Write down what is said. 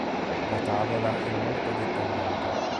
La tavola è molto dettagliata.